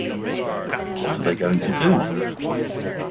What are they going to do?